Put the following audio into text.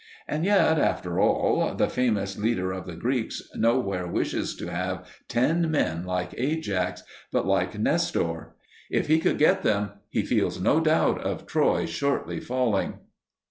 And yet, after all, the famous leader of the Greeks nowhere wishes to have ten men like Ajax, but like Nestor: if he could get them, he feels no doubt of Troy shortly falling.